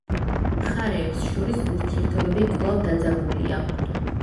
მხარეებს შორის ურთიერთობები კვლავ დაძაბულია.